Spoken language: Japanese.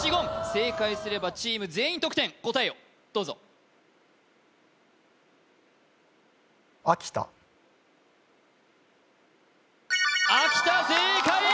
正解すればチーム全員得点答えをどうぞ秋田正解！